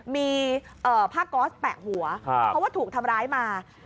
มีผ้าก๊อสแปะหัวเพราะว่าถูกทำร้ายมา